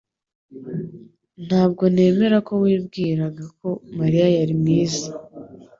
Ntabwo nemera ko wibwiraga ko Mariya yari mwiza